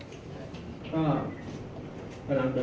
ก็จะเสียชีวิตโดย